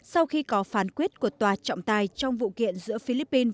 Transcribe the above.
sau khi có phán quyết của tòa trọng tài trong vụ kiện giữa philippines